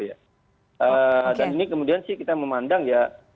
dan ini kemudian kita memandang ya